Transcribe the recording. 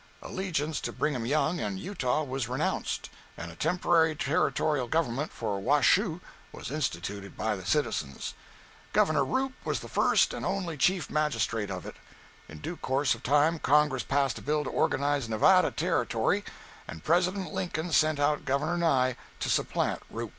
Allegiance to Brigham Young and Utah was renounced, and a temporary territorial government for "Washoe" was instituted by the citizens. Governor Roop was the first and only chief magistrate of it. In due course of time Congress passed a bill to organize "Nevada Territory," and President Lincoln sent out Governor Nye to supplant Roop.